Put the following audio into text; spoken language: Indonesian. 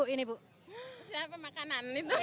persiapan makanan itu